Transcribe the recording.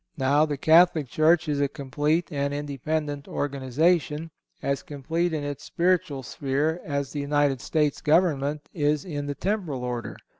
Now the Catholic Church is a complete and independent organization, as complete in its spiritual sphere as the United States Government is in the temporal order.